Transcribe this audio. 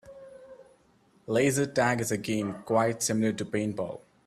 Laser tag is a game quite similar to paintball.